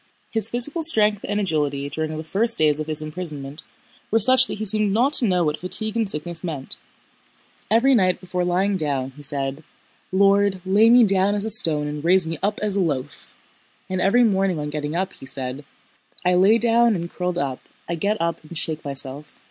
His physical strength and agility during the first days of his imprisonment were such that he seemed not to know what fatigue and sickness meant. Every night before lying down, he said: "Lord, lay me down as a stone and raise me up as a loaf!" and every morning on getting up, he said: "I lay down and curled up, I get up and shake myself."